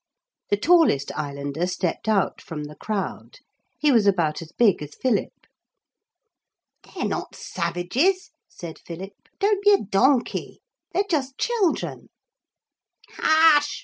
The tallest islander stepped out from the crowd. He was about as big as Philip. 'They're not savages,' said Philip; 'don't be a donkey. They're just children.' 'Hush!'